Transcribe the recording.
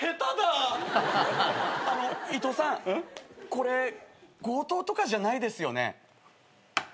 これ強盗とかじゃないですよね？